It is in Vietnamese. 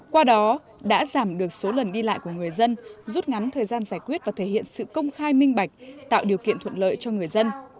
qua đó đã giảm được số lần đi lại của người dân rút ngắn thời gian giải quyết và thể hiện sự công khai minh bạch tạo điều kiện thuận lợi cho người dân